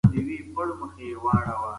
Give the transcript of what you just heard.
د غوره سیستم لپاره ډېره مېوه وخورئ.